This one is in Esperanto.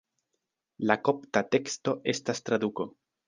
La kopta teksto estas traduko.